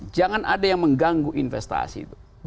jangan ada yang mengganggu investasi itu